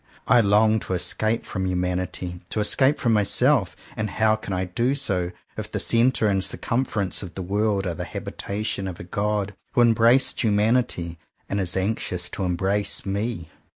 I long to escape from humanity, to escape from myself; and how can I do so if the centre and circumference of the world are the habitation of a God who embraced humanity, and is anxious to embrace me.?